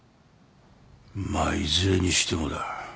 まあいずれにしてもだ